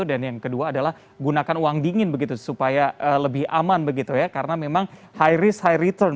dan yang kedua adalah gunakan uang dingin supaya lebih aman karena memang high risk high return